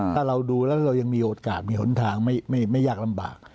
ถ้าเราดูแล้วเรายังมีโอกาสมีหนทางไม่ยากลำบาก